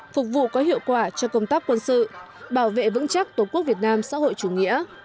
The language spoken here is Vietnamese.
phục vụ có hiệu quả cho công tác quân sự bảo vệ vững chắc tổ quốc việt nam xã hội chủ nghĩa